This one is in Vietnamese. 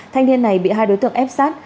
thanh niên này bị hai đối tượng ép sát